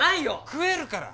食えるから。